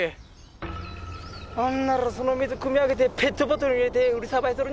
ほんならその水くみ上げてペットボトル入れて売りさばいとるんじゃ。